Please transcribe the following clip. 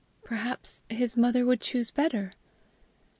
"Perhaps his mother would choose better."